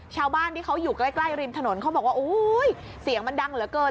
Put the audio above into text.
ชาวบ้านที่เขาอยู่ใกล้ริมถนนเขาบอกว่าอุ้ยเสียงมันดังเหลือเกิน